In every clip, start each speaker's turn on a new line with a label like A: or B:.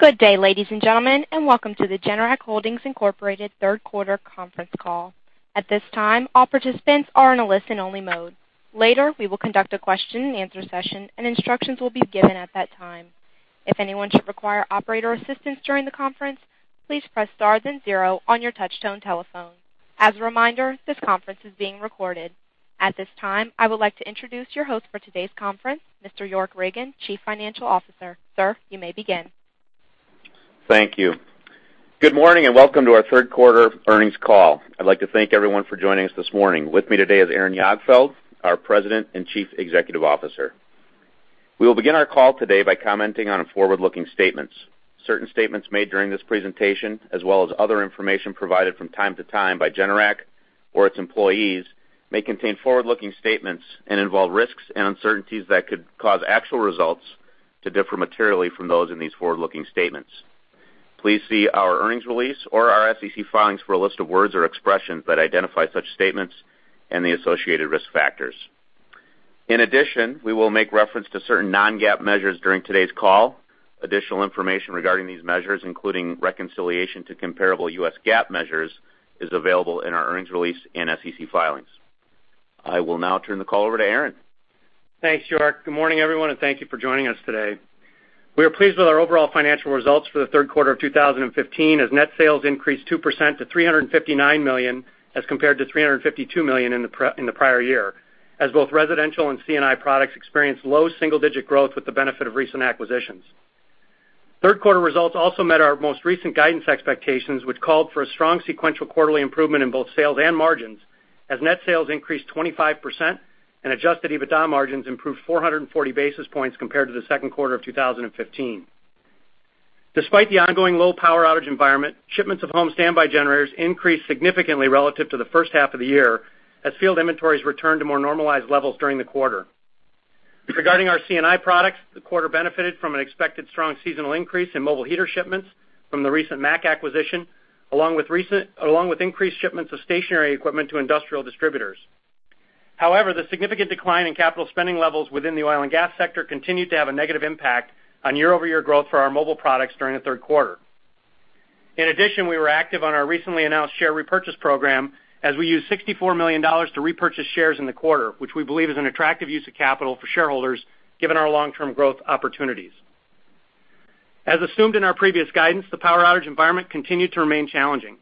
A: Good day, ladies and gentlemen, and welcome to the Generac Holdings Inc. third quarter conference call. At this time, all participants are in a listen-only mode. Later, we will conduct a question and answer session, and instructions will be given at that time. If anyone should require operator assistance during the conference, please press star then zero on your touchtone telephone. As a reminder, this conference is being recorded. At this time, I would like to introduce your host for today's conference, Mr. York Ragen, Chief Financial Officer. Sir, you may begin.
B: Thank you. Good morning, and welcome to our third quarter earnings call. I'd like to thank everyone for joining us this morning. With me today is Aaron Jagdfeld, our President and Chief Executive Officer. We will begin our call today by commenting on forward-looking statements. Certain statements made during this presentation, as well as other information provided from time to time by Generac or its employees, may contain forward-looking statements and involve risks and uncertainties that could cause actual results to differ materially from those in these forward-looking statements. Please see our earnings release or our SEC filings for a list of words or expressions that identify such statements and the associated risk factors. In addition, we will make reference to certain non-GAAP measures during today's call. Additional information regarding these measures, including reconciliation to comparable US GAAP measures, is available in our earnings release and SEC filings. I will now turn the call over to Aaron.
C: Thanks, York. Good morning, everyone, and thank you for joining us today. We are pleased with our overall financial results for the third quarter of 2015, as net sales increased 2% to $359 million as compared to $352 million in the prior year, as both residential and C&I products experienced low single-digit growth with the benefit of recent acquisitions. Third quarter results also met our most recent guidance expectations, which called for a strong sequential quarterly improvement in both sales and margins as net sales increased 25% and adjusted EBITDA margins improved 440 basis points compared to the second quarter of 2015. Despite the ongoing low power outage environment, shipments of home standby generators increased significantly relative to the first half of the year as field inventories returned to more normalized levels during the quarter. Regarding our C&I products, the quarter benefited from an expected strong seasonal increase in mobile heater shipments from the recent MAC acquisition, along with increased shipments of stationary equipment to industrial distributors. However, the significant decline in capital spending levels within the oil and gas sector continued to have a negative impact on year-over-year growth for our mobile products during the third quarter. In addition, we were active on our recently announced share repurchase program as we used $64 million to repurchase shares in the quarter, which we believe is an attractive use of capital for shareholders given our long-term growth opportunities. As assumed in our previous guidance, the power outage environment continued to remain challenging.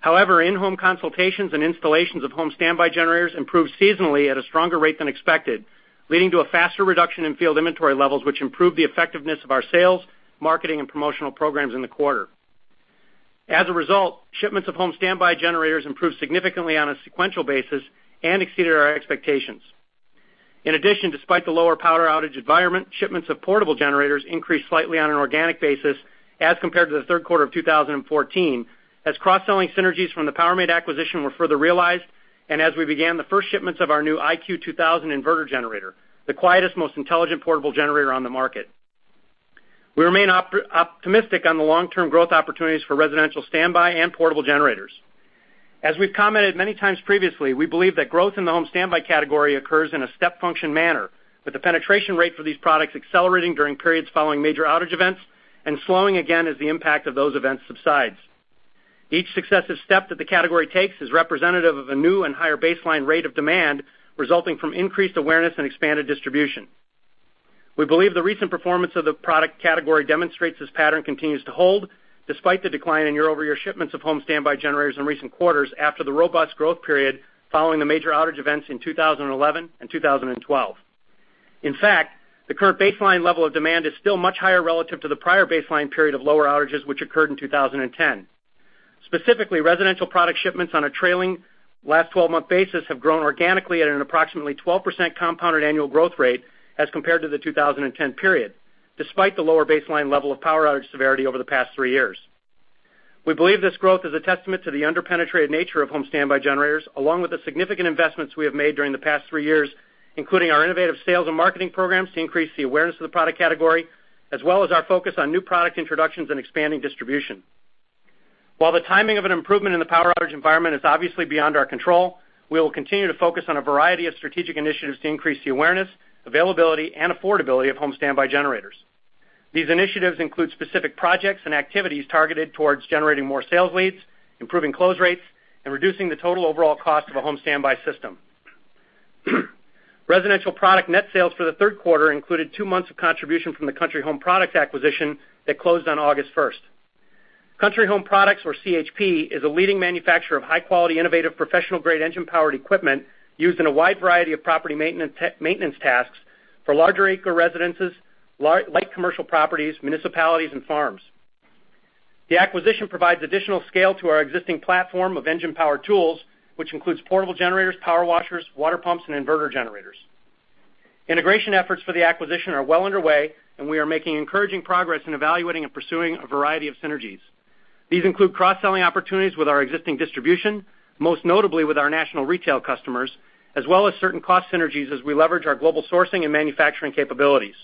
C: However, In-Home Consultations and installations of home standby generators improved seasonally at a stronger rate than expected, leading to a faster reduction in field inventory levels, which improved the effectiveness of our sales, marketing, and promotional programs in the quarter. As a result, shipments of home standby generators improved significantly on a sequential basis and exceeded our expectations. In addition, despite the lower power outage environment, shipments of portable generators increased slightly on an organic basis as compared to the third quarter of 2014 as cross-selling synergies from the Powermate acquisition were further realized and as we began the first shipments of our new iQ2000 inverter generator, the quietest, most intelligent portable generator on the market. We remain optimistic on the long-term growth opportunities for residential standby and portable generators. As we've commented many times previously, we believe that growth in the home standby category occurs in a step function manner, with the penetration rate for these products accelerating during periods following major outage events and slowing again as the impact of those events subsides. Each successive step that the category takes is representative of a new and higher baseline rate of demand resulting from increased awareness and expanded distribution. We believe the recent performance of the product category demonstrates this pattern continues to hold despite the decline in year-over-year shipments of home standby generators in recent quarters after the robust growth period following the major outage events in 2011 and 2012. In fact, the current baseline level of demand is still much higher relative to the prior baseline period of lower outages, which occurred in 2010. Specifically, residential product shipments on a trailing last 12-month basis have grown organically at an approximately 12% compounded annual growth rate as compared to the 2010 period, despite the lower baseline level of power outage severity over the past three years. We believe this growth is a testament to the under-penetrated nature of home standby generators, along with the significant investments we have made during the past three years, including our innovative sales and marketing programs to increase the awareness of the product category, as well as our focus on new product introductions and expanding distribution. While the timing of an improvement in the power outage environment is obviously beyond our control, we will continue to focus on a variety of strategic initiatives to increase the awareness, availability, and affordability of home standby generators. These initiatives include specific projects and activities targeted towards generating more sales leads, improving close rates, and reducing the total overall cost of a home standby system. Residential product net sales for the third quarter included 2 months of contribution from the Country Home Products acquisition that closed on August 1st. Country Home Products, or CHP, is a leading manufacturer of high-quality, innovative, professional-grade engine-powered equipment used in a wide variety of property maintenance tasks for larger acre residences, light commercial properties, municipalities, and farms. The acquisition provides additional scale to our existing platform of engine-powered tools, which includes portable generators, power washers, water pumps, and inverter generators. Integration efforts for the acquisition are well underway, and we are making encouraging progress in evaluating and pursuing a variety of synergies. These include cross-selling opportunities with our existing distribution, most notably with our national retail customers, as well as certain cost synergies as we leverage our global sourcing and manufacturing capabilities.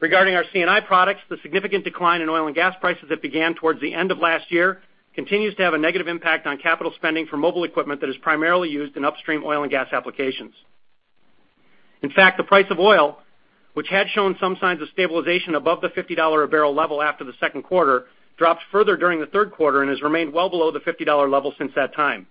C: Regarding our C&I products, the significant decline in oil and gas prices that began towards the end of last year continues to have a negative impact on capital spending for mobile equipment that is primarily used in upstream oil and gas applications. In fact, the price of oil, which had shown some signs of stabilization above the $50 a barrel level after the second quarter, dropped further during the third quarter and has remained well below the $50 level since that time.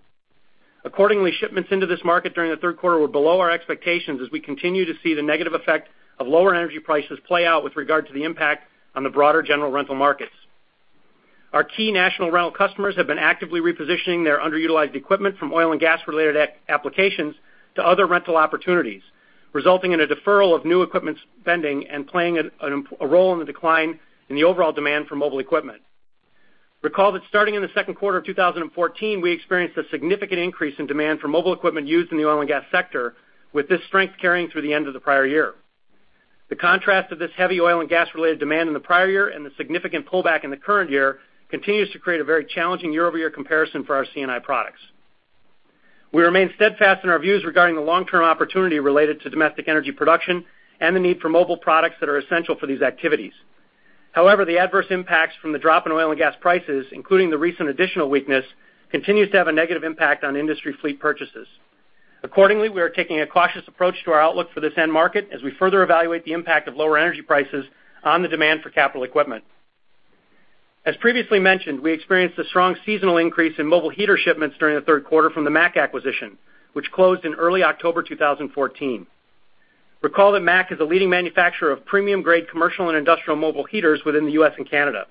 C: Accordingly, shipments into this market during the third quarter were below our expectations as we continue to see the negative effect of lower energy prices play out with regard to the impact on the broader general rental markets. Our key national rental customers have been actively repositioning their underutilized equipment from oil and gas related applications to other rental opportunities, resulting in a deferral of new equipment spending and playing a role in the decline in the overall demand for mobile equipment. Recall that starting in the second quarter of 2014, we experienced a significant increase in demand for mobile equipment used in the oil and gas sector, with this strength carrying through the end of the prior year. The contrast of this heavy oil and gas related demand in the prior year and the significant pullback in the current year continues to create a very challenging year-over-year comparison for our C&I products. We remain steadfast in our views regarding the long-term opportunity related to domestic energy production and the need for mobile products that are essential for these activities. However, the adverse impacts from the drop in oil and gas prices, including the recent additional weakness, continues to have a negative impact on industry fleet purchases. Accordingly, we are taking a cautious approach to our outlook for this end market as we further evaluate the impact of lower energy prices on the demand for capital equipment. As previously mentioned, we experienced a strong seasonal increase in mobile heater shipments during the third quarter from the MAC acquisition, which closed in early October 2014. Recall that MAC is a leading manufacturer of premium grade commercial and industrial mobile heaters within the U.S. and Canada.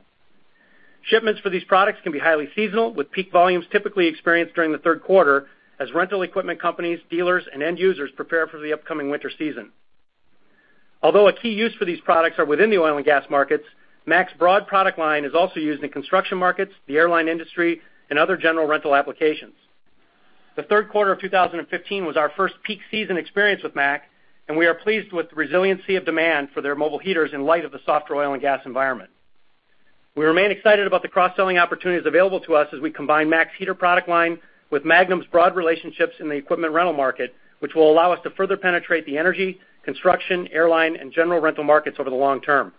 C: Shipments for these products can be highly seasonal, with peak volumes typically experienced during the third quarter as rental equipment companies, dealers, and end users prepare for the upcoming winter season. Although a key use for these products are within the oil and gas markets, MAC's broad product line is also used in construction markets, the airline industry, and other general rental applications. The third quarter of 2015 was our first peak season experience with MAC, and we are pleased with the resiliency of demand for their mobile heaters in light of the softer oil and gas environment. We remain excited about the cross-selling opportunities available to us as we combine MAC's heater product line with Magnum's broad relationships in the equipment rental market, which will allow us to further penetrate the energy, construction, airline, and general rental markets over the long term.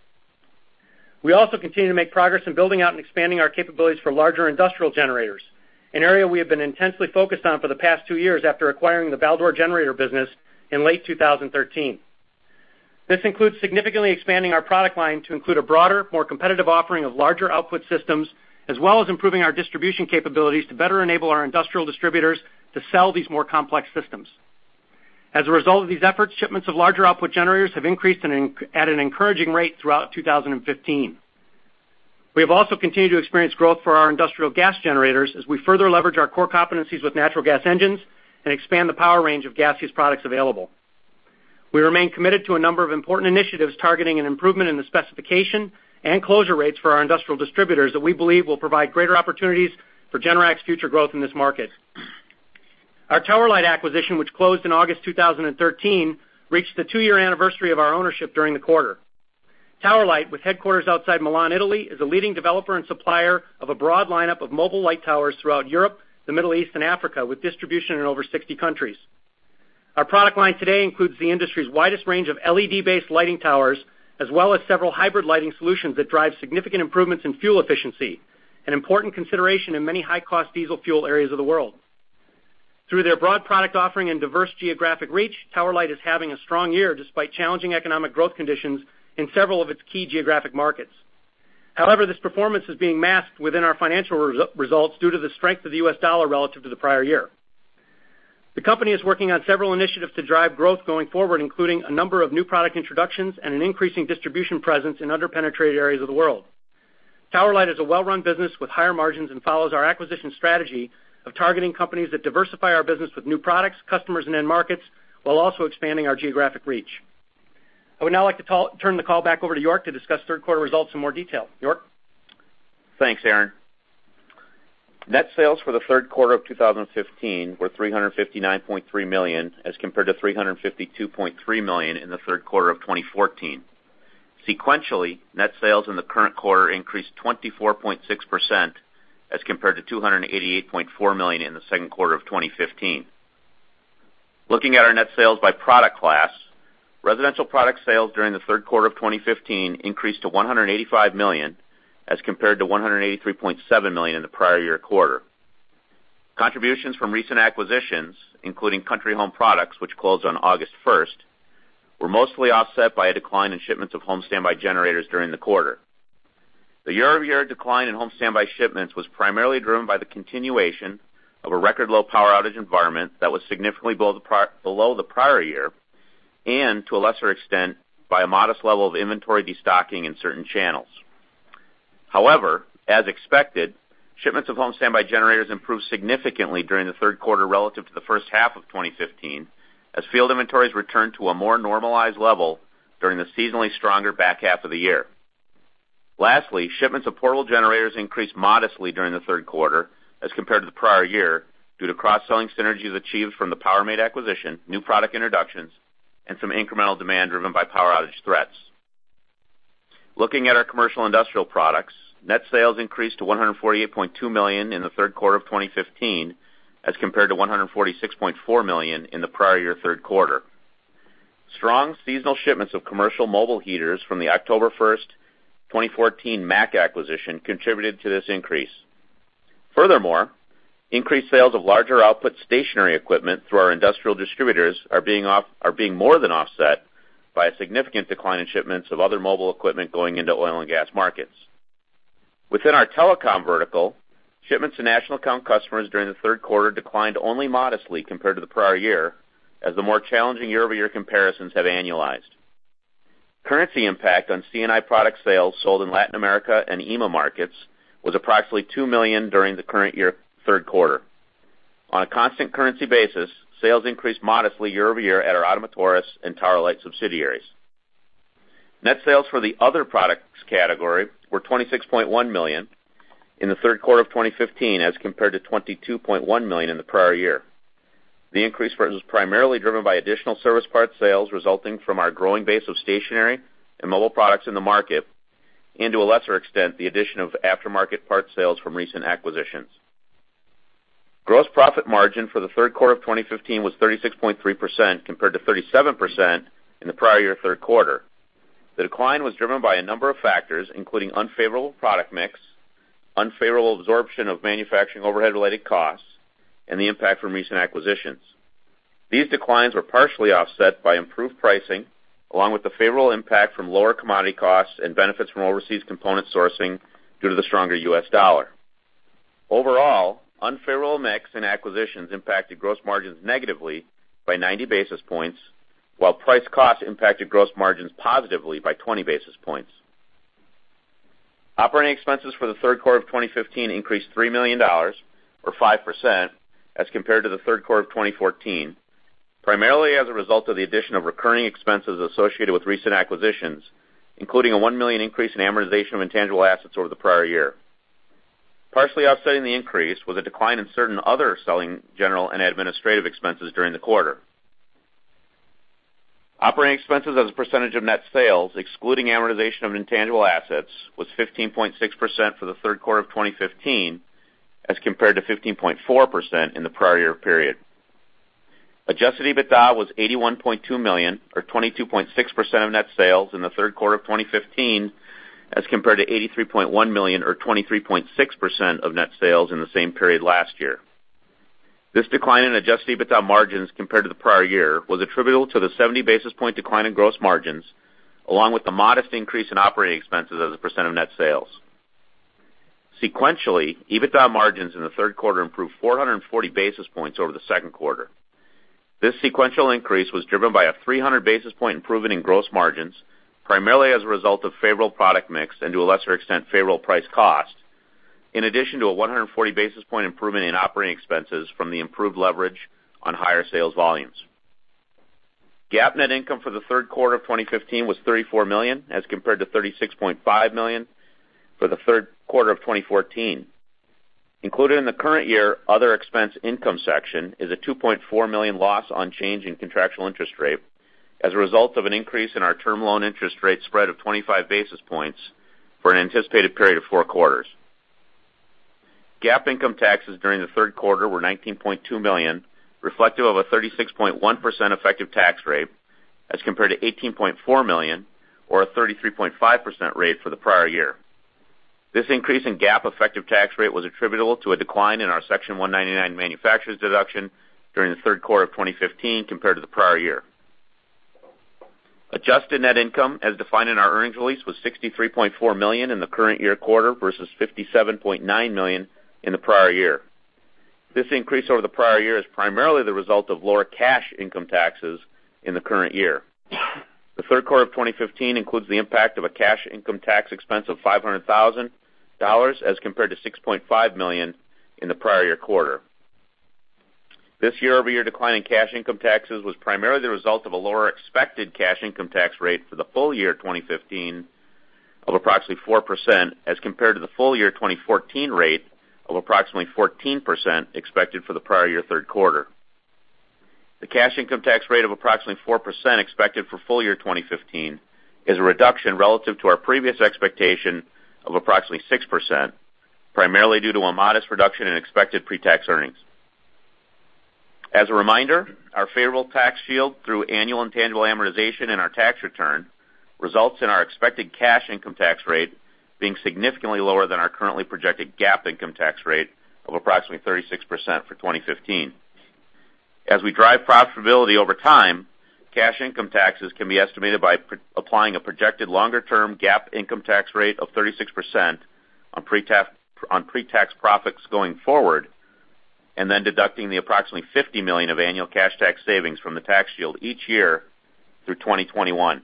C: We also continue to make progress in building out and expanding our capabilities for larger industrial generators, an area we have been intensely focused on for the past two years after acquiring the Baldor generator business in late 2013. This includes significantly expanding our product line to include a broader, more competitive offering of larger output systems, as well as improving our distribution capabilities to better enable our industrial distributors to sell these more complex systems. As a result of these efforts, shipments of larger output generators have increased at an encouraging rate throughout 2015. We have also continued to experience growth for our industrial gas generators as we further leverage our core competencies with natural gas engines and expand the power range of gas use products available. We remain committed to a number of important initiatives targeting an improvement in the specification and closure rates for our industrial distributors that we believe will provide greater opportunities for Generac's future growth in this market. Our Tower Light acquisition, which closed in August 2013, reached the two-year anniversary of our ownership during the quarter. Tower Light, with headquarters outside Milan, Italy, is a leading developer and supplier of a broad lineup of mobile light towers throughout Europe, the Middle East, and Africa, with distribution in over 60 countries. Our product line today includes the industry's widest range of LED-based lighting towers, as well as several hybrid lighting solutions that drive significant improvements in fuel efficiency, an important consideration in many high-cost diesel fuel areas of the world. Through their broad product offering and diverse geographic reach, Tower Light is having a strong year despite challenging economic growth conditions in several of its key geographic markets. However, this performance is being masked within our financial results due to the strength of the US dollar relative to the prior year. The company is working on several initiatives to drive growth going forward, including a number of new product introductions and an increasing distribution presence in under-penetrated areas of the world. Tower Light is a well-run business with higher margins and follows our acquisition strategy of targeting companies that diversify our business with new products, customers, and end markets while also expanding our geographic reach. I would now like to turn the call back over to York to discuss third quarter results in more detail. York?
B: Thanks, Aaron. Net sales for the third quarter of 2015 were $359.3 million, as compared to $352.3 million in the third quarter of 2014. Sequentially, net sales in the current quarter increased 24.6% as compared to $288.4 million in the second quarter of 2015. Looking at our net sales by product class, residential product sales during the third quarter of 2015 increased to $185 million, as compared to $183.7 million in the prior year quarter. Contributions from recent acquisitions, including Country Home Products, which closed on August 1st, were mostly offset by a decline in shipments of home standby generators during the quarter. The year-over-year decline in home standby shipments was primarily driven by the continuation of a record low power outage environment that was significantly below the prior year, and to a lesser extent, by a modest level of inventory destocking in certain channels. As expected, shipments of home standby generators improved significantly during the third quarter relative to the first half of 2015 as field inventories returned to a more normalized level during the seasonally stronger back half of the year. Lastly, shipments of portable generators increased modestly during the third quarter as compared to the prior year due to cross-selling synergies achieved from the Powermate acquisition, new product introductions, and some incremental demand driven by power outage threats. Looking at our commercial industrial products, net sales increased to $148.2 million in the third quarter of 2015 as compared to $146.4 million in the prior year third quarter. Strong seasonal shipments of commercial mobile heaters from the October 1st, 2014 MAC acquisition contributed to this increase. Increased sales of larger output stationary equipment through our industrial distributors are being more than offset by a significant decline in shipments of other mobile equipment going into oil and gas markets. Within our telecom vertical, shipments to national account customers during the third quarter declined only modestly compared to the prior year, as the more challenging year-over-year comparisons have annualized. Currency impact on C&I product sales sold in Latin America and EMEA markets was approximately $2 million during the current year, third quarter. On a constant currency basis, sales increased modestly year-over-year at our Ottomotores and Tower Light subsidiaries. Net sales for the other products category were $26.1 million in the third quarter of 2015 as compared to $22.1 million in the prior year. The increase was primarily driven by additional service parts sales resulting from our growing base of stationary and mobile products in the market, and to a lesser extent, the addition of aftermarket parts sales from recent acquisitions. Gross profit margin for the third quarter of 2015 was 36.3% compared to 37% in the prior year third quarter. The decline was driven by a number of factors, including unfavorable product mix, unfavorable absorption of manufacturing overhead related costs, and the impact from recent acquisitions. These declines were partially offset by improved pricing, along with the favorable impact from lower commodity costs and benefits from overseas component sourcing due to the stronger U.S. dollar. Overall, unfavorable mix and acquisitions impacted gross margins negatively by 90 basis points, while price cost impacted gross margins positively by 20 basis points. Operating expenses for the third quarter of 2015 increased $3 million, or 5%, as compared to the third quarter of 2014, primarily as a result of the addition of recurring expenses associated with recent acquisitions, including a $1 million increase in amortization of intangible assets over the prior year. Partially offsetting the increase was a decline in certain other selling general and administrative expenses during the quarter. Operating expenses as a percentage of net sales, excluding amortization of intangible assets, was 15.6% for the third quarter of 2015 as compared to 15.4% in the prior year period. adjusted EBITDA was $81.2 million, or 22.6% of net sales in the third quarter of 2015, as compared to $83.1 million or 23.6% of net sales in the same period last year. This decline in adjusted EBITDA margins compared to the prior year was attributable to the 70 basis point decline in gross margins, along with the modest increase in operating expenses as a percent of net sales. Sequentially, EBITDA margins in the third quarter improved 440 basis points over the second quarter. This sequential increase was driven by a 300 basis point improvement in gross margins, primarily as a result of favorable product mix and, to a lesser extent, favorable price cost, in addition to a 140 basis point improvement in operating expenses from the improved leverage on higher sales volumes. GAAP net income for the third quarter of 2015 was $34 million, as compared to $36.5 million for the third quarter of 2014. Included in the current year other expense income section is a $2.4 million loss on change in contractual interest rate as a result of an increase in our term loan interest rate spread of 25 basis points for an anticipated period of four quarters. GAAP income taxes during the third quarter were $19.2 million, reflective of a 36.1% effective tax rate as compared to $18.4 million or a 33.5% rate for the prior year. This increase in GAAP effective tax rate was attributable to a decline in our Section 199 manufacturer's deduction during the third quarter of 2015 compared to the prior year. Adjusted net income, as defined in our earnings release, was $63.4 million in the current year quarter versus $57.9 million in the prior year. This increase over the prior year is primarily the result of lower cash income taxes in the current year. The third quarter of 2015 includes the impact of a cash income tax expense of $500,000 as compared to $6.5 million in the prior year quarter. This year-over-year decline in cash income taxes was primarily the result of a lower expected cash income tax rate for the full year 2015 of approximately 4% as compared to the full year 2014 rate of approximately 14% expected for the prior year third quarter. The cash income tax rate of approximately 4% expected for full year 2015 is a reduction relative to our previous expectation of approximately 6%, primarily due to a modest reduction in expected pre-tax earnings. As a reminder, our favorable tax shield through annual intangible amortization in our tax return results in our expected cash income tax rate being significantly lower than our currently projected GAAP income tax rate of approximately 36% for 2015. As we drive profitability over time, cash income taxes can be estimated by applying a projected longer-term GAAP income tax rate of 36% on pre-tax profits going forward, then deducting the approximately $50 million of annual cash tax savings from the tax shield each year through 2021.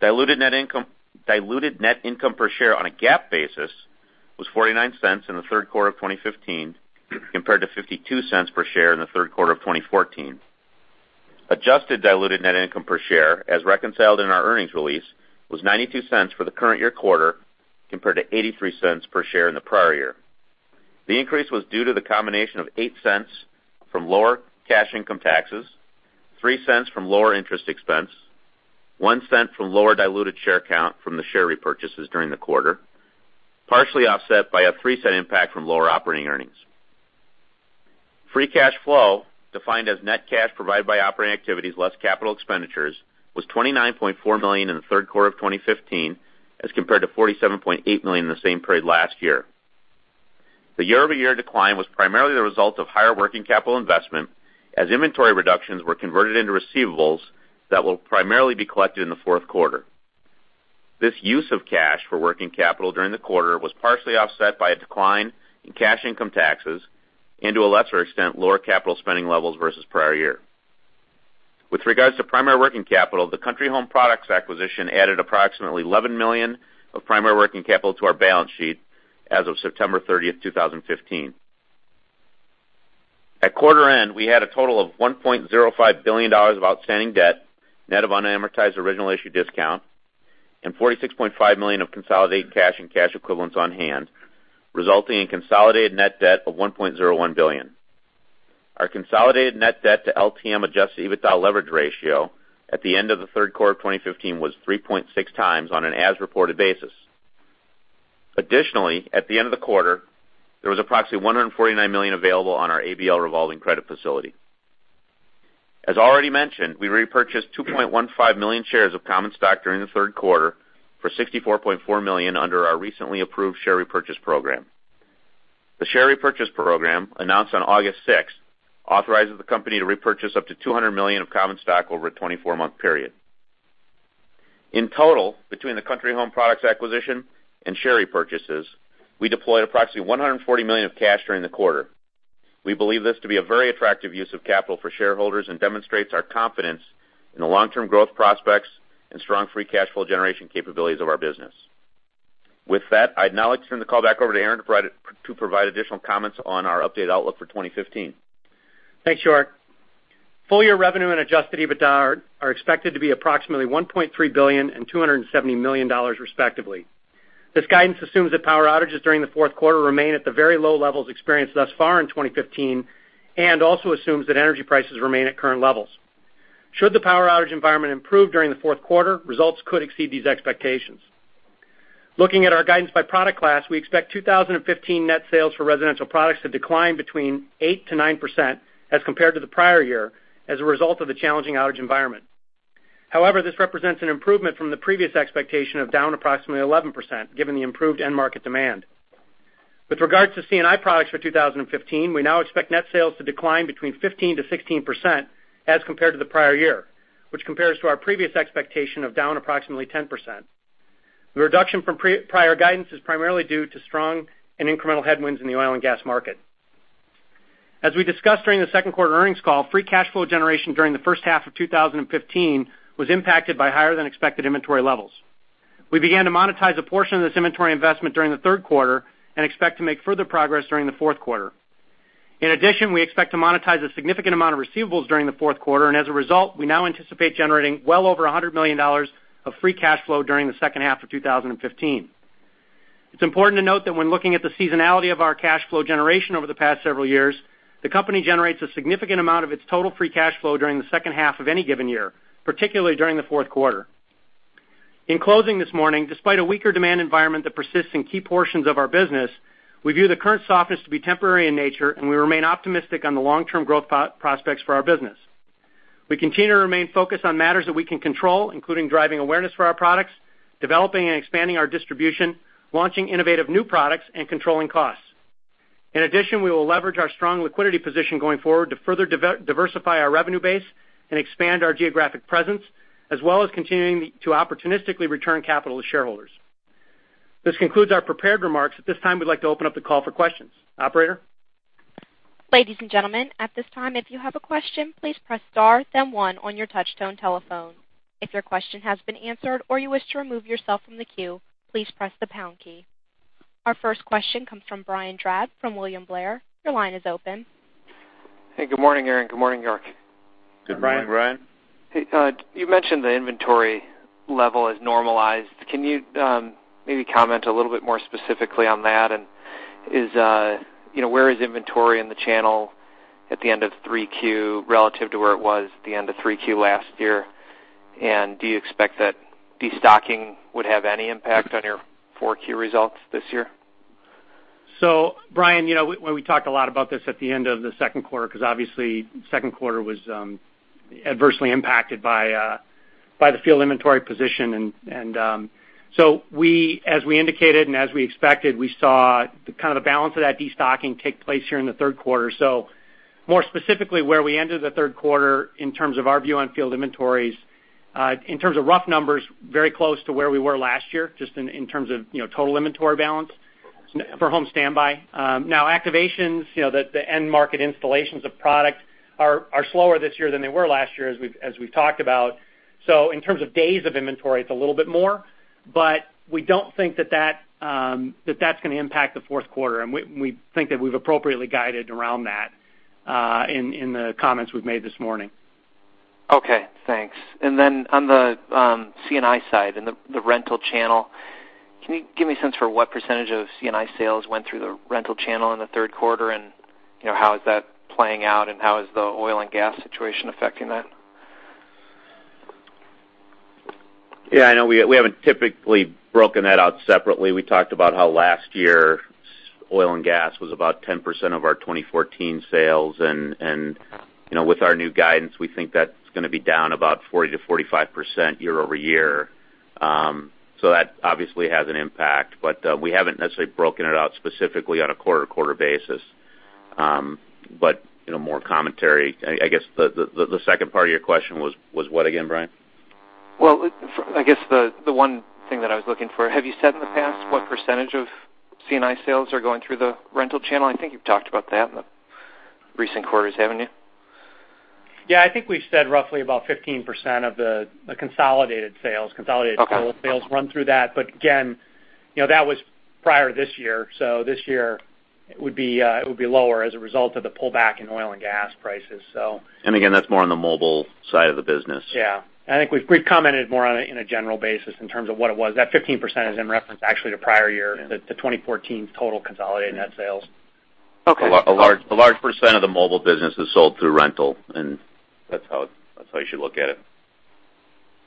B: Diluted net income per share on a GAAP basis was $0.49 in the third quarter of 2015, compared to $0.52 per share in the third quarter of 2014. Adjusted diluted net income per share, as reconciled in our earnings release, was $0.92 for the current year quarter, compared to $0.83 per share in the prior year. The increase was due to the combination of $0.08 from lower cash income taxes, $0.03 from lower interest expense, $0.01 from lower diluted share count from the share repurchases during the quarter, partially offset by a $0.03 impact from lower operating earnings. Free cash flow, defined as net cash provided by operating activities less capital expenditures, was $29.4 million in the third quarter of 2015 as compared to $47.8 million in the same period last year. The year-over-year decline was primarily the result of higher working capital investment as inventory reductions were converted into receivables that will primarily be collected in the fourth quarter. This use of cash for working capital during the quarter was partially offset by a decline in cash income taxes and, to a lesser extent, lower capital spending levels versus prior year. With regards to primary working capital, the Country Home Products acquisition added approximately $11 million of primary working capital to our balance sheet as of September 30th, 2015. At quarter end, we had a total of $1.05 billion of outstanding debt, net of unamortized original issue discount, and $46.5 million of consolidated cash and cash equivalents on hand, resulting in consolidated net debt of $1.01 billion. Our consolidated net debt to LTM adjusted EBITDA leverage ratio at the end of the third quarter of 2015 was 3.6 times on an as-reported basis. Additionally, at the end of the quarter, there was approximately $149 million available on our ABL revolving credit facility. As already mentioned, we repurchased 2.15 million shares of common stock during the third quarter for $64.4 million under our recently approved share repurchase program. The share repurchase program, announced on August 6th, authorizes the company to repurchase up to $200 million of common stock over a 24-month period. In total, between the Country Home Products acquisition and share repurchases, we deployed approximately $140 million of cash during the quarter. We believe this to be a very attractive use of capital for shareholders and demonstrates our confidence in the long-term growth prospects and strong free cash flow generation capabilities of our business. With that, I'd now like to turn the call back over to Aaron to provide additional comments on our updated outlook for 2015.
C: Thanks, York. Full-year revenue and adjusted EBITDA are expected to be approximately $1.3 billion and $270 million, respectively. This guidance assumes that power outages during the fourth quarter remain at the very low levels experienced thus far in 2015 and also assumes that energy prices remain at current levels. Should the power outage environment improve during the fourth quarter, results could exceed these expectations. Looking at our guidance by product class, we expect 2015 net sales for residential products to decline between 8%-9% as compared to the prior year as a result of the challenging outage environment. However, this represents an improvement from the previous expectation of down approximately 11%, given the improved end market demand. With regards to C&I products for 2015, we now expect net sales to decline between 15%-16% as compared to the prior year, which compares to our previous expectation of down approximately 10%. The reduction from prior guidance is primarily due to strong and incremental headwinds in the oil and gas market. As we discussed during the second quarter earnings call, free cash flow generation during the first half of 2015 was impacted by higher than expected inventory levels. We began to monetize a portion of this inventory investment during the third quarter and expect to make further progress during the fourth quarter. As a result, we now anticipate generating well over $100 million of free cash flow during the second half of 2015. It's important to note that when looking at the seasonality of our cash flow generation over the past several years, the company generates a significant amount of its total free cash flow during the second half of any given year, particularly during the fourth quarter. In closing this morning, despite a weaker demand environment that persists in key portions of our business, we view the current softness to be temporary in nature, and we remain optimistic on the long-term growth prospects for our business. We continue to remain focused on matters that we can control, including driving awareness for our products, developing and expanding our distribution, launching innovative new products, and controlling costs. In addition, we will leverage our strong liquidity position going forward to further diversify our revenue base and expand our geographic presence, as well as continuing to opportunistically return capital to shareholders. This concludes our prepared remarks. At this time, we'd like to open up the call for questions. Operator?
A: Ladies and gentlemen, at this time, if you have a question, please press star then one on your touchtone telephone. If your question has been answered or you wish to remove yourself from the queue, please press the pound key. Our first question comes from Brian Drab from William Blair. Your line is open.
D: Hey, good morning, Aaron. Good morning, York.
C: Good morning, Brian.
B: Good morning.
D: You mentioned the inventory level has normalized. Can you maybe comment a little bit more specifically on that? Where is inventory in the channel at the end of 3Q relative to where it was at the end of 3Q last year? Do you expect that de-stocking would have any impact on your 4Q results this year?
C: Brian, we talked a lot about this at the end of the second quarter, because obviously second quarter was adversely impacted by the field inventory position. As we indicated and as we expected, we saw the balance of that de-stocking take place here in the third quarter. More specifically, where we ended the third quarter in terms of our view on field inventories, in terms of rough numbers, very close to where we were last year, just in terms of total inventory balance for home standby. Activations, the end market installations of product are slower this year than they were last year, as we've talked about. In terms of days of inventory, it's a little bit more, we don't think that's going to impact the fourth quarter, we think that we've appropriately guided around that in the comments we've made this morning.
B: Okay, thanks. Then on the C&I side and the rental channel, can you give me a sense for what percentage of C&I sales went through the rental channel in the third quarter, and how is that playing out, and how is the oil and gas situation affecting that? I know we haven't typically broken that out separately. We talked about how last year, oil and gas was about 10% of our 2014 sales, with our new guidance, we think that's going to be down about 40%-45% year-over-year. That obviously has an impact. We haven't necessarily broken it out specifically on a quarter-to-quarter basis. More commentary, I guess the second part of your question was what again, Brian?
D: I guess the one thing that I was looking for, have you said in the past what percentage of C&I sales are going through the rental channel? I think you've talked about that in recent quarters, haven't you?
C: Yeah, I think we've said roughly about 15% of the consolidated sales.
D: Okay.
C: Consolidated total sales run through that. Again, that was prior to this year. This year it would be lower as a result of the pullback in oil and gas prices.
B: Again, that's more on the mobile side of the business.
C: Yeah. I think we've commented more on a general basis in terms of what it was. That 15% is in reference actually to prior year, the 2014 total consolidated net sales.
D: Okay. A large % of the mobile business is sold through rental, and that's how you should look at it.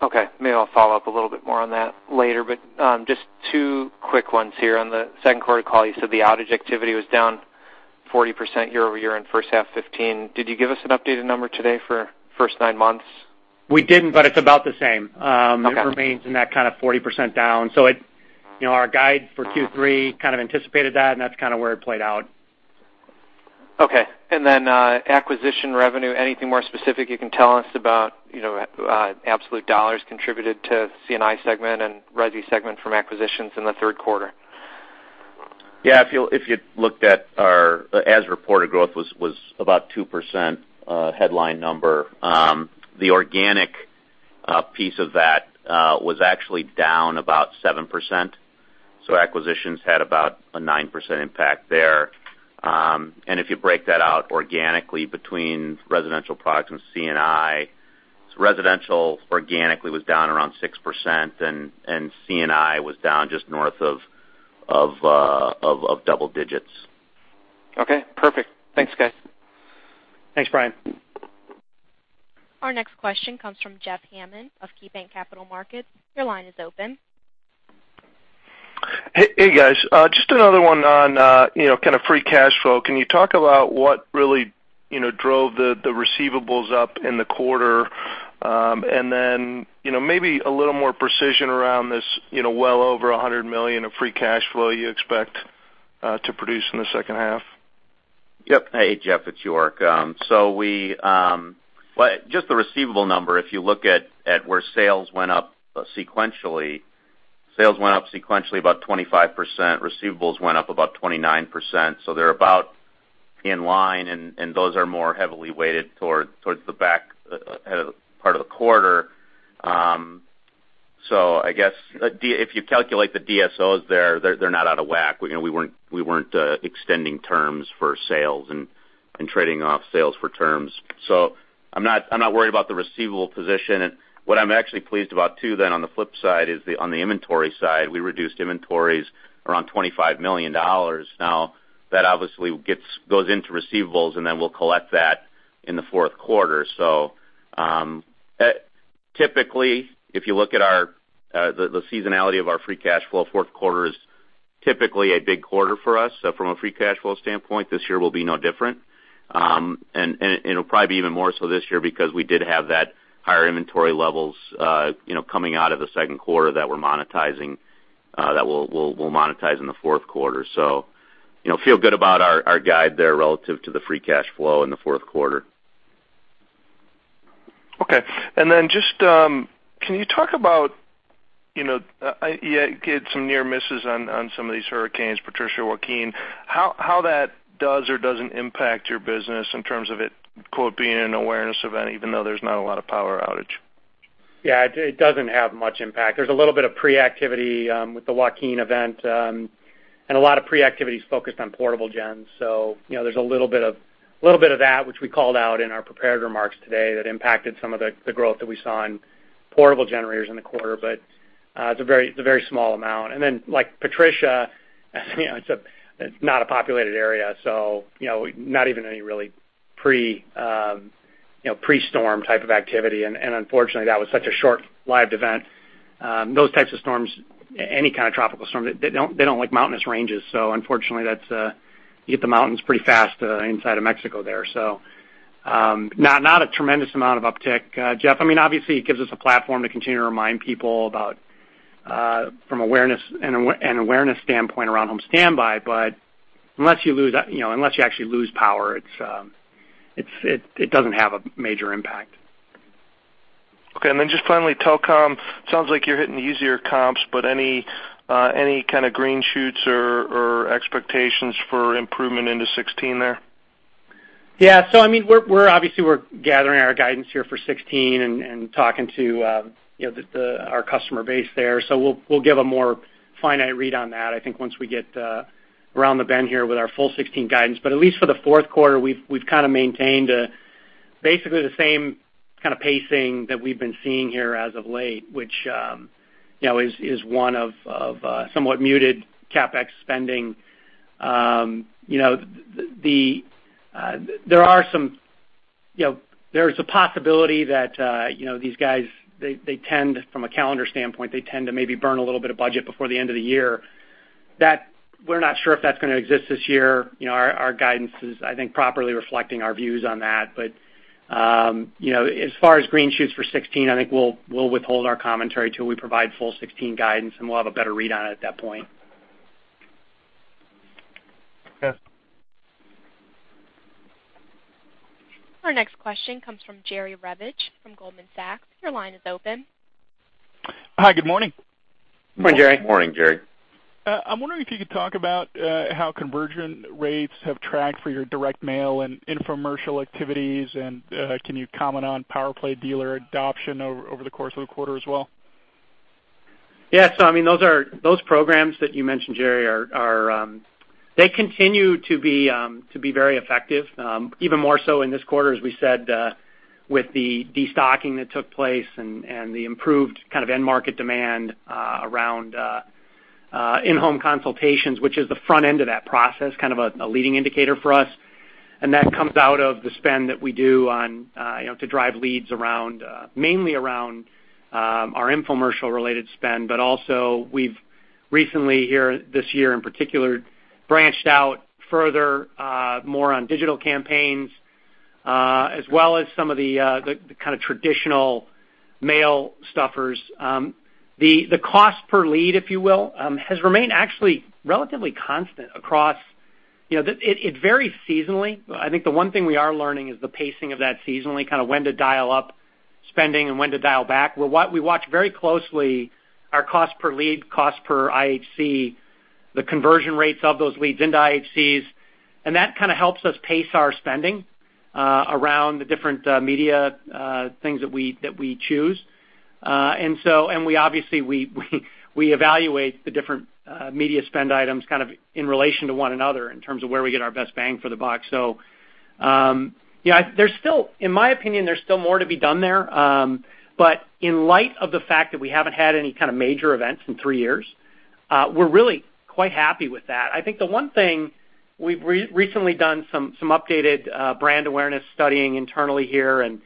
D: Okay. Maybe I'll follow up a little bit more on that later, but just two quick ones here. On the second quarter call, you said the outage activity was down 40% year-over-year in first half 2015. Did you give us an updated number today for first nine months? We didn't, but it's about the same. Okay. It remains in that kind of 40% down. Our guide for Q3 kind of anticipated that, and that's kind of where it played out. Okay. Acquisition revenue, anything more specific you can tell us about absolute dollars contributed to C&I segment and resi segment from acquisitions in the third quarter?
B: Yeah. If you looked at our as-reported growth was about 2% headline number. The organic piece of that was actually down about 7%. Acquisitions had about a 9% impact there. If you break that out organically between residential products and C&I, residential organically was down around 6%, C&I was down just north of double digits.
D: Okay, perfect. Thanks, guys.
C: Thanks, Brian.
A: Our next question comes from Jeff Hammond of KeyBanc Capital Markets. Your line is open.
E: Hey, guys. Just another one on kind of free cash flow. Can you talk about what really drove the receivables up in the quarter? And then maybe a little more precision around this well over $100 million of free cash flow you expect to produce in the second half.
B: Yep. Hey, Jeff, it's York. Just the receivable number, if you look at where sales went up sequentially, about 25%, receivables went up about 29%. They're about in line, and those are more heavily weighted towards the back part of the quarter. I guess if you calculate the DSOs there, they're not out of whack. We weren't extending terms for sales and trading off sales for terms. I'm not worried about the receivable position. What I'm actually pleased about too then on the flip side is on the inventory side, we reduced inventories around $25 million. That obviously goes into receivables, and then we'll collect that in the fourth quarter. Typically, if you look at the seasonality of our free cash flow, fourth quarter is typically a big quarter for us. From a free cash flow standpoint, this year will be no different. It'll probably be even more so this year because we did have that higher inventory levels coming out of the second quarter that we're monetizing, that we'll monetize in the fourth quarter. Feel good about our guide there relative to the free cash flow in the fourth quarter.
E: Okay. can you talk about, you had some near misses on some of these hurricanes, Patricia, Joaquin, how that does or doesn't impact your business in terms of it, quote, "Being an awareness event," even though there's not a lot of power outage?
C: Yeah, it doesn't have much impact. There's a little bit of pre-activity with the Joaquin event, and a lot of pre-activity is focused on portable gens. There's a little bit of that which we called out in our prepared remarks today that impacted some of the growth that we saw in portable generators in the quarter, but it's a very small amount. like Patricia, it's not a populated area, so not even any really pre-storm type of activity. Unfortunately, that was such a short-lived event. Those types of storms, any kind of tropical storm, they don't like mountainous ranges. Unfortunately, you get the mountains pretty fast inside of Mexico there. not a tremendous amount of uptick, Jeff. Obviously, it gives us a platform to continue to remind people about from an awareness standpoint around home standby. unless you actually lose power, it doesn't have a major impact.
E: Okay, just finally, telecom. Sounds like you're hitting easier comps, any kind of green shoots or expectations for improvement into 2016 there?
C: Obviously, we're gathering our guidance here for 2016 and talking to our customer base there. We'll give a more finite read on that, I think once we get around the bend here with our full 2016 guidance. At least for the fourth quarter, we've kind of maintained basically the same kind of pacing that we've been seeing here as of late, which is one of somewhat muted CapEx spending. There's a possibility that these guys, from a calendar standpoint, they tend to maybe burn a little bit of budget before the end of the year. We're not sure if that's going to exist this year. Our guidance is, I think, properly reflecting our views on that. As far as green shoots for 2016, I think we'll withhold our commentary till we provide full 2016 guidance, and we'll have a better read on it at that point.
E: Okay.
A: Our next question comes from Jerry Revich from Goldman Sachs. Your line is open.
F: Hi, good morning.
C: Good morning, Jerry.
B: Morning, Jerry.
F: I'm wondering if you could talk about how conversion rates have tracked for your direct mail and infomercial activities, and can you comment on PowerPlay dealer adoption over the course of the quarter as well?
C: Yeah. Those programs that you mentioned, Jerry, they continue to be very effective, even more so in this quarter, as we said, with the de-stocking that took place and the improved end market demand around In-Home Consultations, which is the front end of that process, kind of a leading indicator for us. That comes out of the spend that we do to drive leads mainly around our infomercial-related spend. Also we've recently, this year in particular, branched out further more on digital campaigns, as well as some of the kind of traditional mail stuffers. The cost per lead, if you will, has remained actually relatively constant across. It varies seasonally. I think the one thing we are learning is the pacing of that seasonally, kind of when to dial up spending and when to dial back. We watch very closely our cost per lead, cost per IHC, the conversion rates of those leads into IHCs, that kind of helps us pace our spending around the different media things that we choose. We obviously evaluate the different media spend items kind of in relation to one another in terms of where we get our best bang for the buck. In my opinion, there's still more to be done there. In light of the fact that we haven't had any kind of major events in three years, we're really quite happy with that. I think the one thing, we've recently done some updated brand awareness studying internally here, and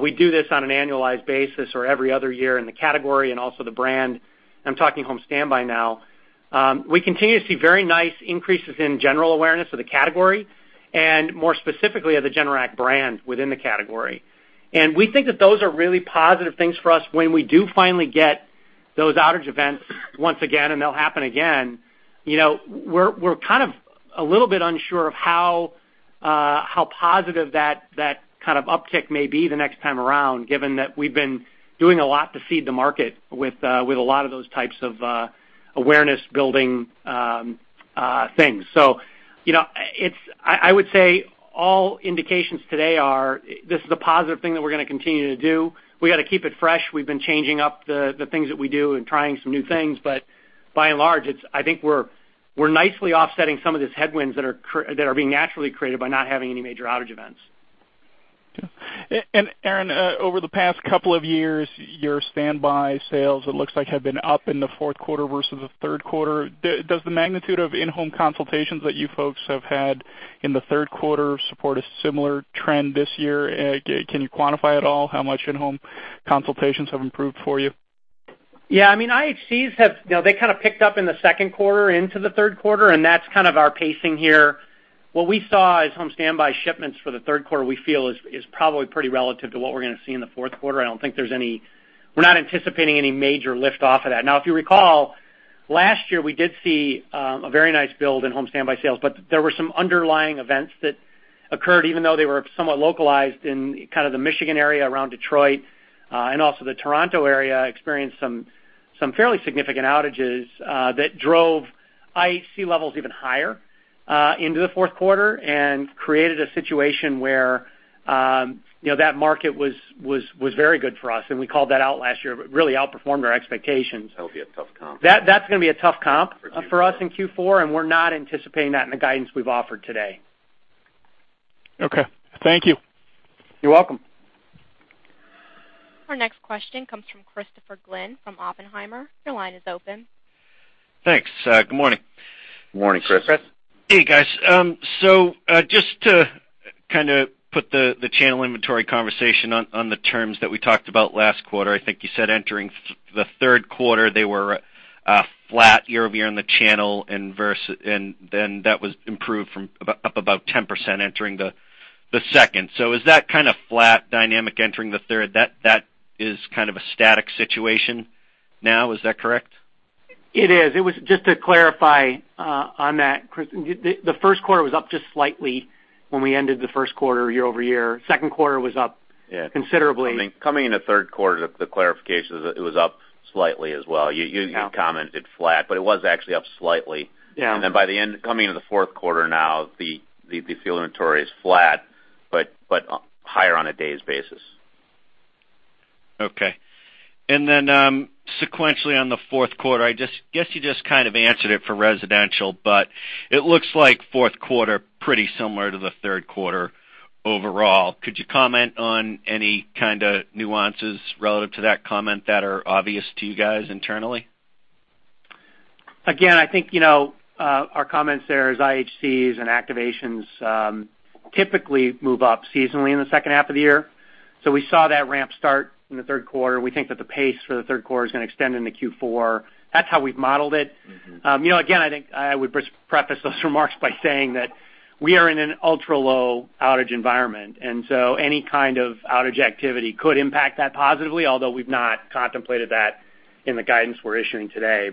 C: we do this on an annualized basis or every other year in the category and also the brand. I'm talking home standby now. We continue to see very nice increases in general awareness of the category, and more specifically, of the Generac brand within the category. We think that those are really positive things for us when we do finally get those outage events once again, and they'll happen again. We're kind of a little bit unsure of how positive that kind of uptick may be the next time around, given that we've been doing a lot to seed the market with a lot of those types of awareness-building things. I would say all indications today are this is a positive thing that we're going to continue to do. We got to keep it fresh. We've been changing up the things that we do and trying some new things. By and large, I think we're nicely offsetting some of these headwinds that are being naturally created by not having any major outage events.
F: Okay. Aaron, over the past couple of years, your standby sales, it looks like, have been up in the fourth quarter versus the third quarter. Does the magnitude of in-home consultations that you folks have had in the third quarter support a similar trend this year? Can you quantify at all how much in-home consultations have improved for you?
C: Yeah. IHCs, they kind of picked up in the second quarter into the third quarter, and that's kind of our pacing here. What we saw as home standby shipments for the third quarter, we feel is probably pretty relative to what we're going to see in the fourth quarter. We're not anticipating any major lift off of that. If you recall, last year, we did see a very nice build in home standby sales, but there were some underlying events that occurred, even though they were somewhat localized in kind of the Michigan area around Detroit, and also the Toronto area experienced some fairly significant outages, that drove IHC levels even higher into the fourth quarter and created a situation where that market was very good for us, and we called that out last year. Really outperformed our expectations.
B: That'll be a tough comp.
C: That's going to be a tough comp for us in Q4, we're not anticipating that in the guidance we've offered today.
F: Okay. Thank you.
C: You're welcome.
A: Our next question comes from Christopher Glynn from Oppenheimer. Your line is open.
G: Thanks. Good morning.
B: Morning, Chris.
C: Chris.
G: Hey, guys. Just to kind of put the channel inventory conversation on the terms that we talked about last quarter, I think you said entering the third quarter, they were flat year-over-year on the channel, and then that was improved from up about 10% entering the second. Is that kind of flat dynamic entering the third? That is kind of a static situation now, is that correct?
C: It is. Just to clarify on that, Chris, the first quarter was up just slightly when we ended the first quarter year-over-year. Second quarter was up considerably.
B: Yeah. Coming into third quarter, the clarification is that it was up slightly as well. You commented flat, but it was actually up slightly.
C: Yeah.
B: Coming into the fourth quarter now, the field inventory is flat but higher on a days basis.
G: Sequentially on the fourth quarter, I guess you just kind of answered it for residential, but it looks like fourth quarter pretty similar to the third quarter overall. Could you comment on any kind of nuances relative to that comment that are obvious to you guys internally?
C: I think our comments there is IHCs and activations typically move up seasonally in the second half of the year. We saw that ramp start in the third quarter. We think that the pace for the third quarter is going to extend into Q4. That's how we've modeled it. I think I would preface those remarks by saying that we are in an ultra-low outage environment, and so any kind of outage activity could impact that positively, although we've not contemplated that in the guidance we're issuing today.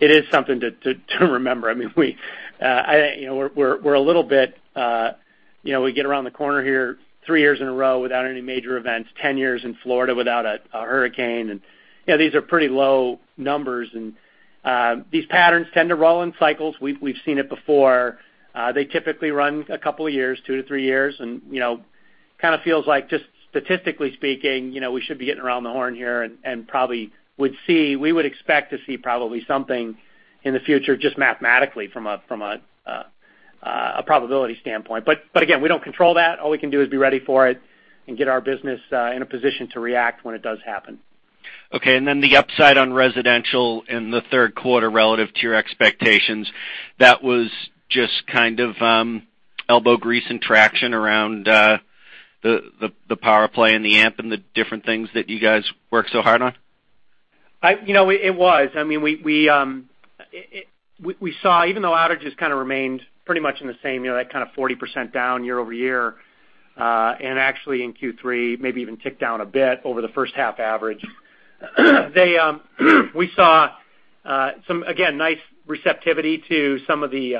C: It is something to remember. We get around the corner here three years in a row without any major events, 10 years in Florida without a hurricane, and these are pretty low numbers. These patterns tend to roll in cycles. We've seen it before. They typically run a couple of years, two to three years, and kind of feels like just statistically speaking, we should be getting around the horn here and probably we would expect to see probably something in the future, just mathematically from a probability standpoint. Again, we don't control that. All we can do is be ready for it and get our business in a position to react when it does happen.
G: Okay. Then the upside on residential in the third quarter relative to your expectations, that was just kind of elbow grease and traction around the PowerPlay and the amp and the different things that you guys work so hard on?
C: It was. Even though outages kind of remained pretty much in the same, that kind of 40% down year-over-year, actually in Q3, maybe even ticked down a bit over the first half average, we saw some, again, nice receptivity to some of the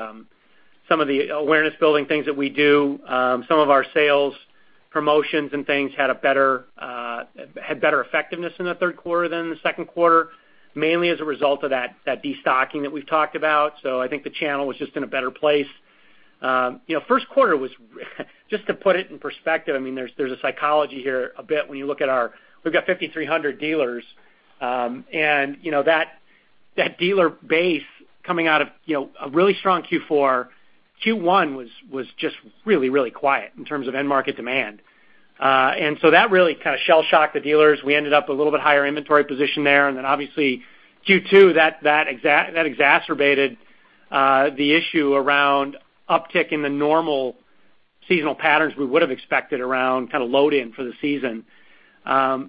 C: awareness building things that we do. Some of our sales promotions and things had better effectiveness in the third quarter than in the second quarter, mainly as a result of that de-stocking that we've talked about. I think the channel was just in a better place. First quarter was, just to put it in perspective, there's a psychology here a bit when you look at We've got 5,300 dealers, that dealer base coming out of a really strong Q4, Q1 was just really quiet in terms of end market demand. That really kind of shell-shocked the dealers. We ended up a little bit higher inventory position there. Then obviously Q2, that exacerbated the issue around uptick in the normal seasonal patterns we would've expected around kind of load in for the season. By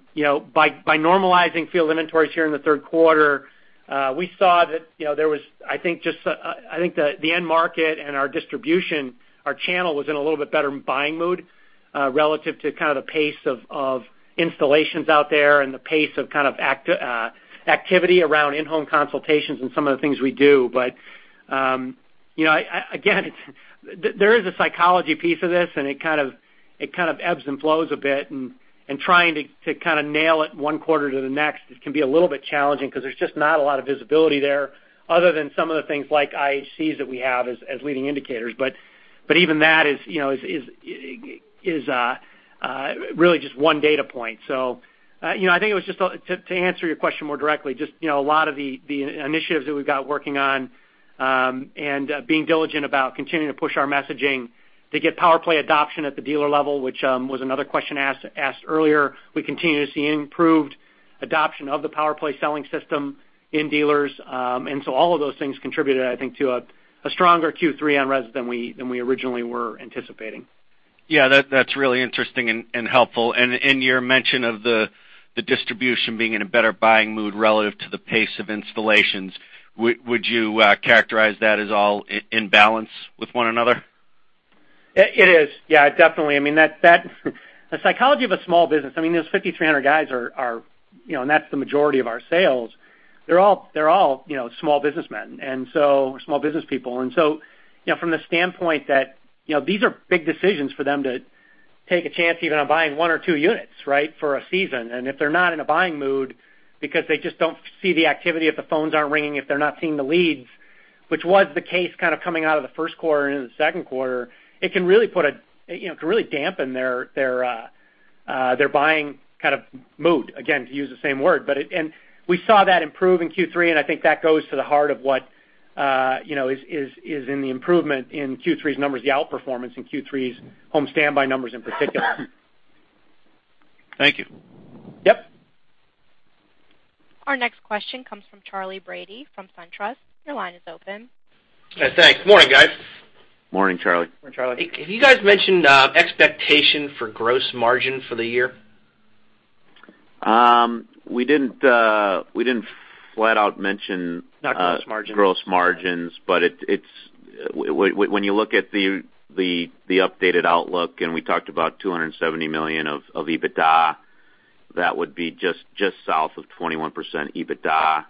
C: normalizing field inventories here in the third quarter, we saw that there was, I think the end market and our distribution, our channel was in a little bit better buying mood, relative to kind of the pace of installations out there and the pace of activity around In-Home Consultations and some of the things we do. Again, there is a psychology piece of this, and it kind of ebbs and flows a bit and trying to kind of nail it one quarter to the next can be a little bit challenging because there's just not a lot of visibility there other than some of the things like IHCs that we have as leading indicators. Even that is really just one data point. I think it was just to answer your question more directly, just a lot of the initiatives that we've got working on, and being diligent about continuing to push our messaging to get PowerPlay adoption at the dealer level, which was another question asked earlier. We continue to see improved adoption of the PowerPlay selling system in dealers. All of those things contributed, I think to a stronger Q3 on res than we originally were anticipating.
G: Yeah, that's really interesting and helpful. Your mention of the distribution being in a better buying mood relative to the pace of installations, would you characterize that as all in balance with one another?
C: It is. Yeah, definitely. The psychology of a small business, those 5,300 guys are, that's the majority of our sales. They're all small businessmen. Small business people. From the standpoint that these are big decisions for them to take a chance even on buying one or two units for a season. If they're not in a buying mood because they just don't see the activity, if the phones aren't ringing, if they're not seeing the leads, which was the case kind of coming out of the first quarter and into the second quarter, it can really dampen their buying kind of mood, again, to use the same word. We saw that improve in Q3, I think that goes to the heart of what is in the improvement in Q3's numbers, the outperformance in Q3's home standby numbers in particular.
G: Thank you.
C: Yep.
A: Our next question comes from Charley Brady from SunTrust. Your line is open.
H: Yeah, thanks. Morning, guys.
B: Morning, Charley.
C: Morning, Charley.
H: Have you guys mentioned expectation for gross margin for the year?
B: We didn't flat out mention.
C: Not gross margin
B: gross margins, when you look at the updated outlook, we talked about $270 million of EBITDA, that would be just south of 21% EBITDA.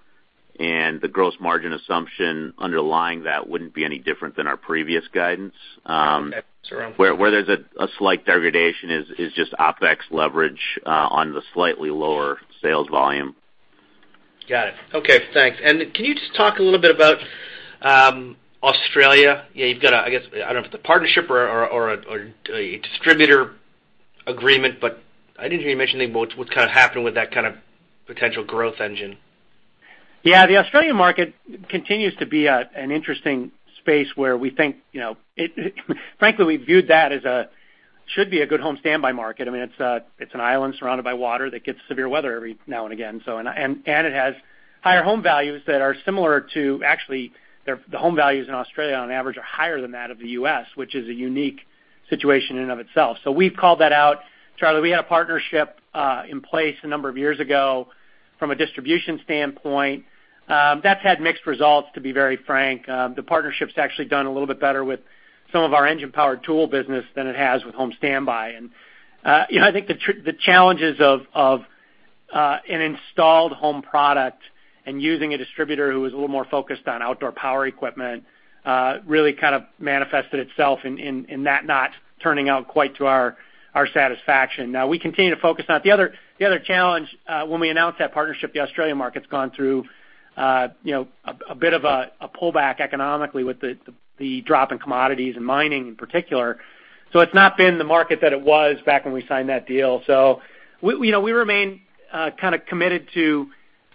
B: The gross margin assumption underlying that wouldn't be any different than our previous guidance.
H: Okay.
B: Where there's a slight degradation is just OpEx leverage on the slightly lower sales volume.
H: Got it. Okay, thanks. Can you just talk a little bit about Australia? You've got, I guess, I don't know if it's a partnership or a distributor agreement, but I didn't hear you mention anything about what's kind of happening with that kind of potential growth engine.
C: Yeah. The Australia market continues to be an interesting space where we think, frankly, we viewed that as a should be a good home standby market. It's an island surrounded by water that gets severe weather every now and again. It has higher home values that are similar to-- actually, the home values in Australia, on average, are higher than that of the U.S., which is a unique situation in and of itself. We've called that out. Charley, we had a partnership in place a number of years ago from a distribution standpoint. That's had mixed results, to be very frank. The partnership's actually done a little bit better with some of our engine-powered tool business than it has with home standby. I think the challenges of an installed home product and using a distributor who is a little more focused on outdoor power equipment really kind of manifested itself in that not turning out quite to our satisfaction. Now we continue to focus on it. The other challenge, when we announced that partnership, the Australian market's gone through a bit of a pullback economically with the drop in commodities and mining in particular. It's not been the market that it was back when we signed that deal. We remain kind of committed to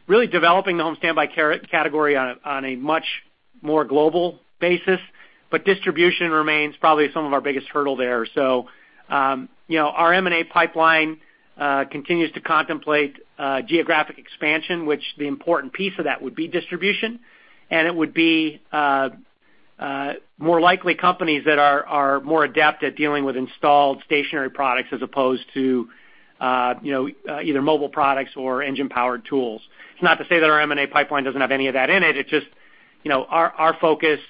C: really developing the home standby category on a much more global basis, but distribution remains probably some of our biggest hurdle there. Our M&A pipeline continues to contemplate geographic expansion, which the important piece of that would be distribution, and it would be more likely companies that are more adept at dealing with installed stationary products as opposed to either mobile products or engine-powered tools. It's not to say that our M&A pipeline doesn't have any of that in it. It's just our focus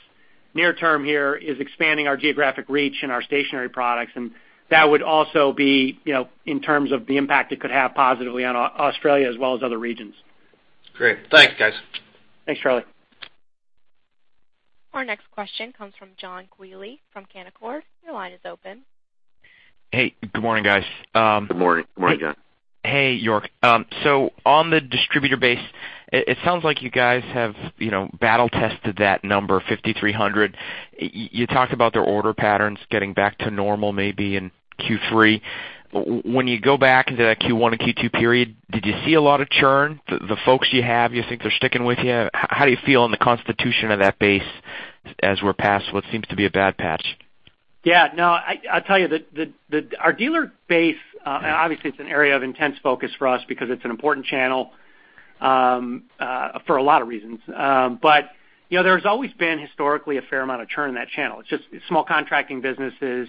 C: near term here is expanding our geographic reach and our stationary products, and that would also be in terms of the impact it could have positively on Australia as well as other regions.
H: Great. Thanks, guys.
C: Thanks, Charlie.
A: Our next question comes from John Quigley from Canaccord. Your line is open.
I: Hey, good morning, guys.
C: Good morning, John.
I: Hey, York. On the distributor base, it sounds like you guys have battle tested that number 5,300. You talked about their order patterns getting back to normal maybe in Q3. When you go back into that Q1 and Q2 period, did you see a lot of churn? The folks you have, you think they're sticking with you? How do you feel in the constitution of that base as we're past what seems to be a bad patch?
C: No, I'll tell you, our dealer base, obviously it's an area of intense focus for us because it's an important channel for a lot of reasons. There's always been historically a fair amount of churn in that channel. It's just small contracting businesses,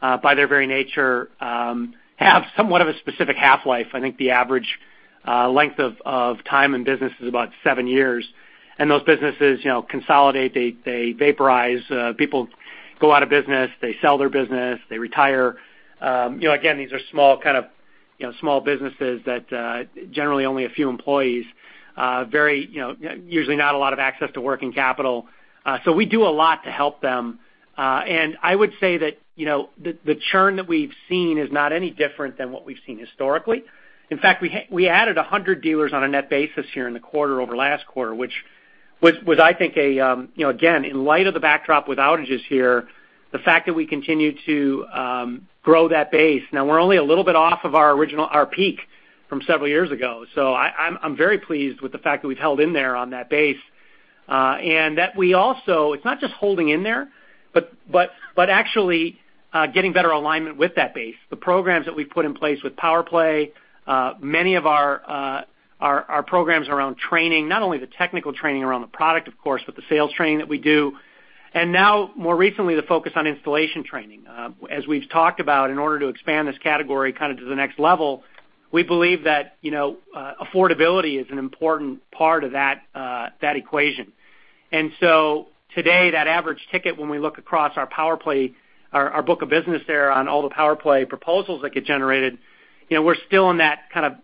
C: by their very nature, have somewhat of a specific half-life. I think the average length of time in business is about seven years. Those businesses consolidate, they vaporize, people go out of business, they sell their business, they retire. Again, these are small businesses that generally only a few employees, usually not a lot of access to working capital. We do a lot to help them. I would say that the churn that we've seen is not any different than what we've seen historically. In fact, we added 100 dealers on a net basis here in the quarter over last quarter, which was, I think, again, in light of the backdrop with outages here, the fact that we continue to grow that base. Now we're only a little bit off of our peak from several years ago. I'm very pleased with the fact that we've held in there on that base. We also, it's not just holding in there, but actually getting better alignment with that base. The programs that we've put in place with PowerPlay, many of our programs around training, not only the technical training around the product, of course, but the sales training that we do. And now more recently, the focus on installation training. Today, that average ticket, when we look across our book of business there on all the PowerPlay proposals that get generated, we're still in that kind of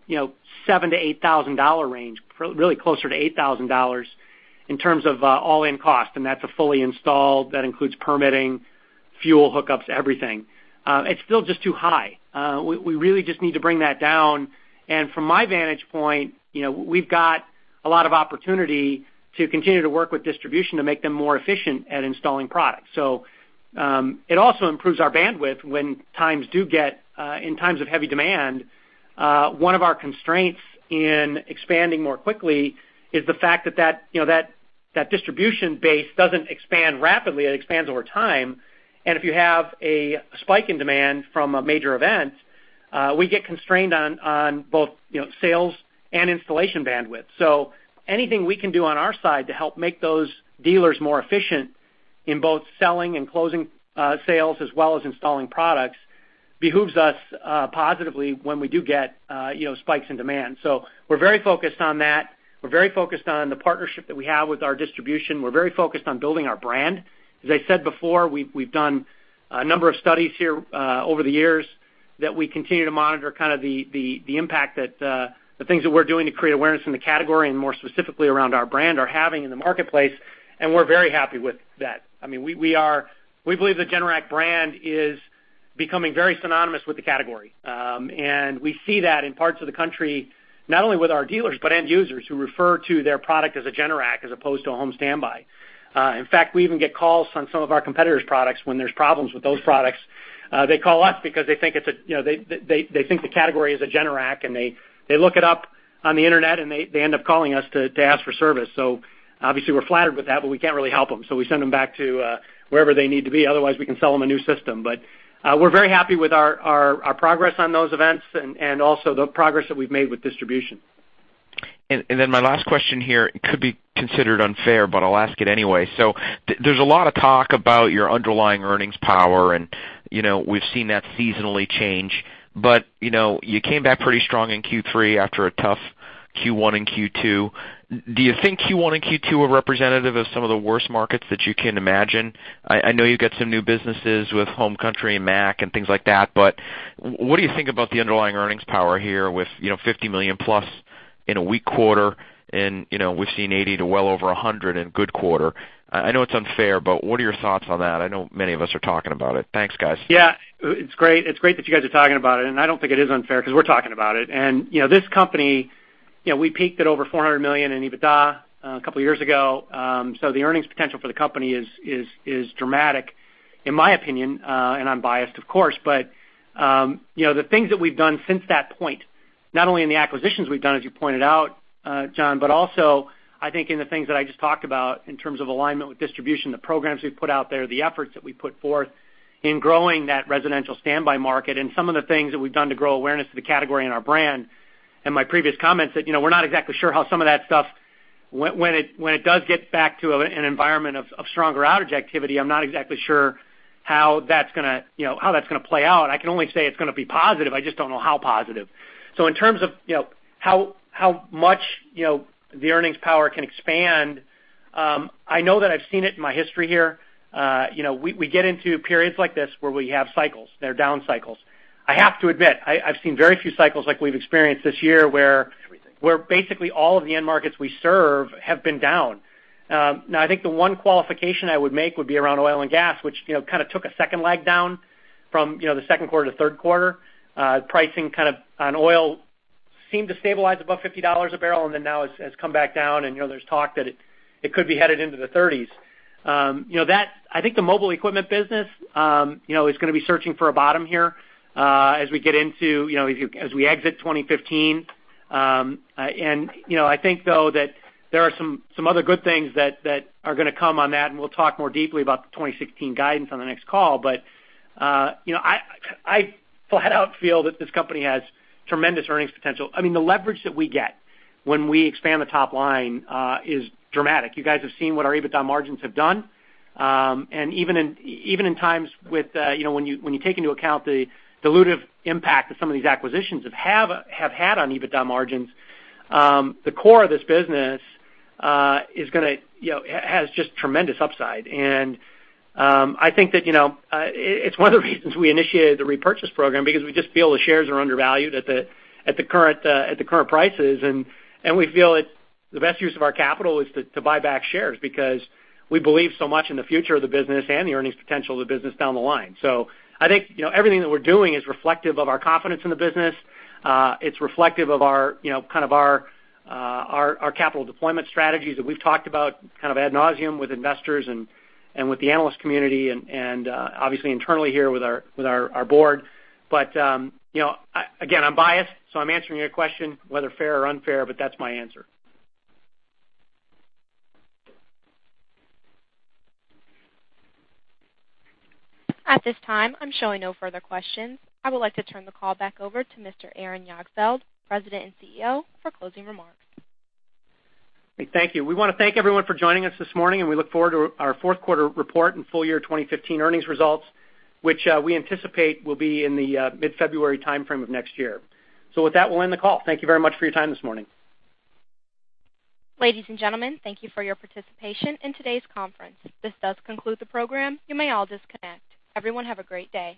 C: $7,000-$8,000 range, really closer to $8,000 in terms of all-in cost, and that's a fully installed, that includes permitting, fuel hookups, everything. It's still just too high. We really just need to bring that down. From my vantage point, we've got a lot of opportunity to continue to work with distribution to make them more efficient at installing products. It also improves our bandwidth when times do get in times of heavy demand. One of our constraints in expanding more quickly is the fact that that distribution base doesn't expand rapidly. It expands over time. If you have a spike in demand from a major event, we get constrained on both sales and installation bandwidth. Anything we can do on our side to help make those dealers more efficient in both selling and closing sales as well as installing products behooves us positively when we do get spikes in demand. We're very focused on that. We're very focused on the partnership that we have with our distribution. We're very focused on building our brand. As I said before, we've done a number of studies here over the years that we continue to monitor kind of the impact that the things that we're doing to create awareness in the category and more specifically around our brand are having in the marketplace, and we're very happy with that. We believe the Generac brand is becoming very synonymous with the category. We see that in parts of the country, not only with our dealers, but end users who refer to their product as a Generac as opposed to a home standby. In fact, we even get calls on some of our competitors' products when there's problems with those products. They call us because they think the category is a Generac, and they look it up on the internet, and they end up calling us to ask for service. Obviously we're flattered with that, but we can't really help them, so we send them back to wherever they need to be, otherwise we can sell them a new system. We're very happy with our progress on those events and also the progress that we've made with distribution.
I: My last question here, it could be considered unfair, but I'll ask it anyway. There's a lot of talk about your underlying earnings power, and we've seen that seasonally change. You came back pretty strong in Q3 after a tough Q1 and Q2. Do you think Q1 and Q2 are representative of some of the worst markets that you can imagine? I know you've got some new businesses with Country Home Products and MAC and things like that, but what do you think about the underlying earnings power here with $50 million plus in a weak quarter and we've seen $80 million to well over $100 million in a good quarter. I know it's unfair, but what are your thoughts on that? I know many of us are talking about it. Thanks, guys.
C: Yeah. It's great that you guys are talking about it, I don't think it is unfair because we're talking about it. This company, we peaked at over $400 million in EBITDA a couple of years ago, so the earnings potential for the company is dramatic, in my opinion, and I'm biased of course. The things that we've done since that point, not only in the acquisitions we've done, as you pointed out, John, also I think in the things that I just talked about in terms of alignment with distribution, the programs we've put out there, the efforts that we put forth in growing that residential standby market and some of the things that we've done to grow awareness of the category and our brand. My previous comments that we're not exactly sure how some of that stuff, when it does get back to an environment of stronger outage activity, I'm not exactly sure how that's going to play out. I can only say it's going to be positive, I just don't know how positive. In terms of how much the earnings power can expand, I know that I've seen it in my history here. We get into periods like this where we have cycles, there are down cycles. I have to admit, I've seen very few cycles like we've experienced this year where basically all of the end markets we serve have been down. I think the one qualification I would make would be around oil and gas, which kind of took a second leg down from the second quarter to third quarter. Pricing on oil seemed to stabilize above $50 a barrel then now has come back down and there's talk that it could be headed into the 30s. I think the mobile equipment business is going to be searching for a bottom here as we exit 2015. I think though that there are some other good things that are going to come on that, we'll talk more deeply about the 2016 guidance on the next call. I flat out feel that this company has tremendous earnings potential. The leverage that we get when we expand the top line is dramatic. You guys have seen what our EBITDA margins have done. Even in times when you take into account the dilutive impact that some of these acquisitions have had on EBITDA margins, the core of this business has just tremendous upside. I think that it's one of the reasons we initiated the repurchase program because we just feel the shares are undervalued at the current prices, we feel the best use of our capital is to buy back shares because we believe so much in the future of the business and the earnings potential of the business down the line. I think everything that we're doing is reflective of our confidence in the business. It's reflective of our capital deployment strategies that we've talked about ad nauseam with investors and with the analyst community, obviously internally here with our board. Again, I'm biased, I'm answering your question, whether fair or unfair, but that's my answer.
A: At this time, I'm showing no further questions. I would like to turn the call back over to Mr. Aaron Jagdfeld, President and CEO, for closing remarks.
C: Thank you. We want to thank everyone for joining us this morning. We look forward to our fourth quarter report and full year 2015 earnings results, which we anticipate will be in the mid-February timeframe of next year. With that, we'll end the call. Thank you very much for your time this morning.
A: Ladies and gentlemen, thank you for your participation in today's conference. This does conclude the program. You may all disconnect. Everyone have a great day.